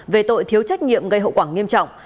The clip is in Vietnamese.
về tội thiếu trách nhiệm gây hậu quả nghiêm trọng